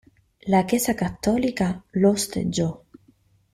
La Chiesa cattolica lo osteggiò.